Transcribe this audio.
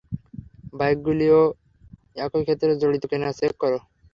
বাইকগুলিও একই ক্ষেত্রে জড়িত কিনা চেক কর।